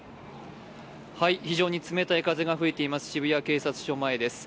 非常に冷たい風が吹いています、渋谷警察署前です。